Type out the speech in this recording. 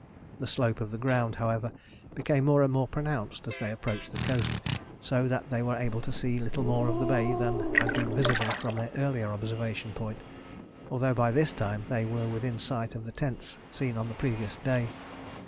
The slope of the ground, however, became more and more pronounced as they approached the coast, so that they were able to see little more of the bay than had been visible from their earlier observation point; although by this time they were within sight of the tents seen on the previous day.